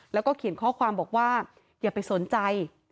แล้วก็เขียนข้อความบอกว่าอย่าไปสนใจ